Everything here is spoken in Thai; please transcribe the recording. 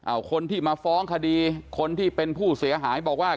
เอาคนที่มาฟ้องคดีคนที่เป็นผู้เสียหายบอกว่า